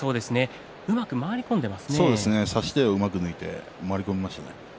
差し手をうまく抜いて回り込みました。